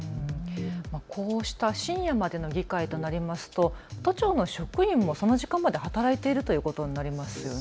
こうした深夜までの議会になりますと都庁の職員もその時間まで働いているということになりますよね。